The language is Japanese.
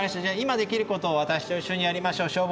じゃ今できることを私と一緒にやりましょう。